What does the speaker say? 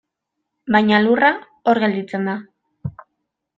Baina lurra, hor gelditzen da.